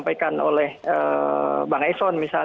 bahwasannya mou antara ketiga institusi itu ingin menjelaskan